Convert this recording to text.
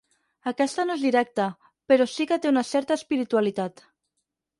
Aquesta no és directa, però sí que té una certa espiritualitat.